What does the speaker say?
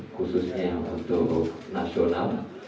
khususnya untuk nasional